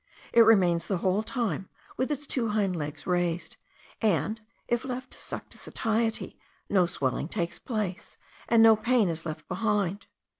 It remains the whole time with its two hind legs raised; and, if left to suck to satiety, no swelling takes place, and no pain is left behind.